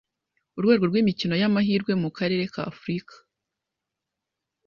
Urwego rw'imikino y'amahirwe mu karere k'Afurika